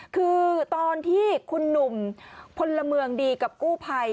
คือตอนที่คุณหนุ่มพลเมืองดีกับกู้ภัย